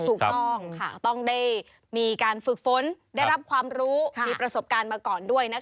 ถูกต้องค่ะต้องได้มีการฝึกฝนได้รับความรู้มีประสบการณ์มาก่อนด้วยนะคะ